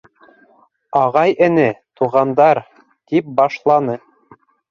— Ағай-эне, туғандар, — тип башланы.